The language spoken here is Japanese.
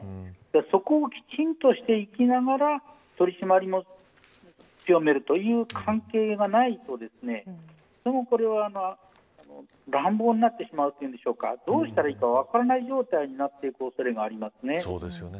そこを、きちんとしていきながら取り締まりも強めるという関係がないとこれは乱暴になってしまうというかどうしたらいいか分からない状態になっていく恐れがありますね。